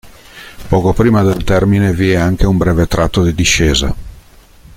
Poco prima del termine vi è anche un breve tratto di discesa.